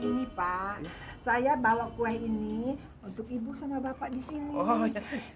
ini pak saya bawa kue ini untuk ibu sama bapak di sini